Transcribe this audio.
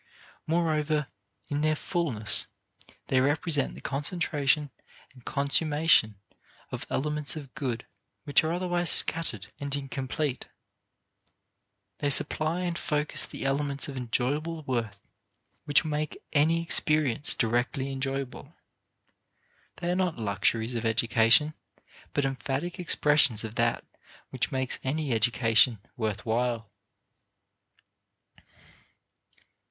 Moreover, in their fullness they represent the concentration and consummation of elements of good which are otherwise scattered and incomplete. They select and focus the elements of enjoyable worth which make any experience directly enjoyable. They are not luxuries of education, but emphatic expressions of that which makes any education worth while.